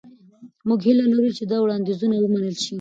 موږ هیله لرو چې دا وړاندیزونه ومنل شي.